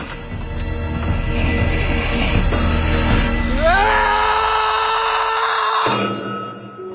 うわあ！